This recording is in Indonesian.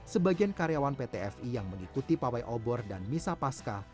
sebagian karyawan pt fi yang mengikuti pawai obor dan misa pasca